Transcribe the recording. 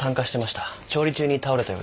調理中に倒れたようです。